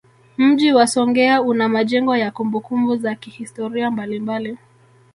Mji wa Songea una majengo ya kumbukumbu za kihistoria mbalimbali